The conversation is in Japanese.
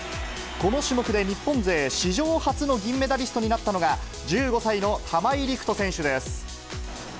この種目で日本勢史上初の銀メダリストになったのが、１５歳の玉井陸斗選手です。